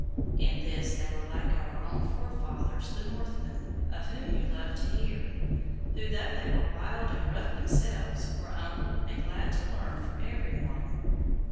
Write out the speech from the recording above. In this they were like our own forefathers the Northmen, of whom you love to hear, who, though they were wild and rough themselves, were humble, and glad to learn from every one.